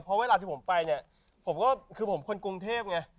เพราะเวลาที่ผมไปเนี่ยผมก็คือผมคนกรุงเทพไง